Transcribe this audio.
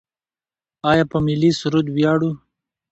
آیا په ملي سرود ویاړو؟